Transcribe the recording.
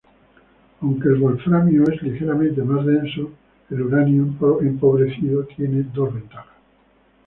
Aunque el wolframio es ligeramente más denso, el uranio empobrecido tiene dos ventajas.